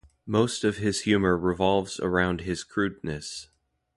Most of his humor revolves around his crudeness.